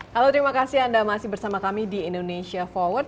halo terima kasih anda masih bersama kami di indonesia forward